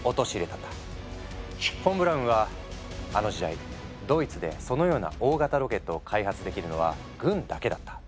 フォン・ブラウンは「あの時代ドイツでそのような大型ロケットを開発できるのは軍だけだった。